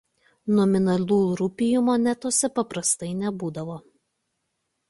Nominalų rupijų monetose paprastai nebūdavo.